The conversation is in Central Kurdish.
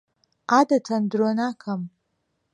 عادەتەن درۆ ناکەم.